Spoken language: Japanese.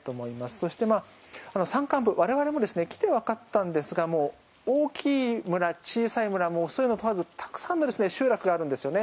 そして、山間部我々も来てわかったんですがもう大きい村、小さい村そういうのを問わずたくさんの集落があるんですよね。